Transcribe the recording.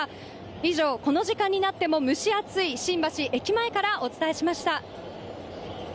以上、この時間になっても蒸し暑い新橋駅前からお伝えしました。